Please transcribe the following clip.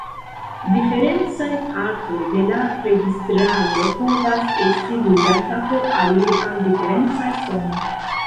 Diferencaj partoj de la registraĵo povas esti ludata por aliri al diferencaj sonoj.